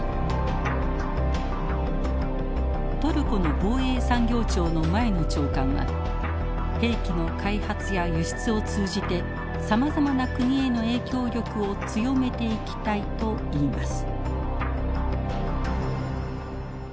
トルコの防衛産業庁の前の長官は兵器の開発や輸出を通じてさまざまな国への影響力を強めていきたいと言います。